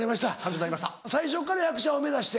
最初から役者を目指して？